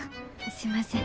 すいません。